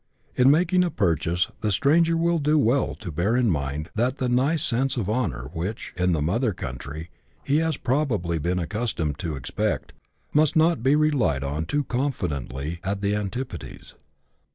In making a purchase, the stranger will do well to bear in mind that the nice sense of honour which, in the mother coun try, he has probably been accustomed to expect, must not be relied on too confidently at the antipodes.